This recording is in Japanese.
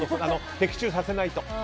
的中させないと。